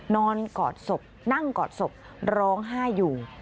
กอดศพนั่งกอดศพร้องไห้อยู่